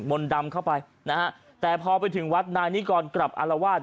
มนต์ดำเข้าไปนะฮะแต่พอไปถึงวัดนายนิกรกลับอารวาส